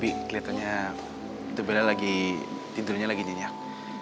bi kelihatannya bella tidurnya lagi nyenyak